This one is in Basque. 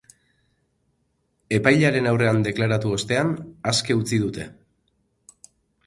Epailearen aurrean deklaratu ostean, aske utzi dute.